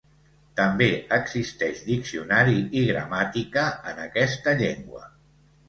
També existeix diccionari i gramàtica en aquesta llengua.